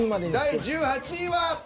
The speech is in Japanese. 第１８位は。